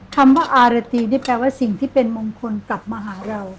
คำว่าอารตีนี่แปลว่าสิ่งที่เป็นมงคลกลับมาหาเรา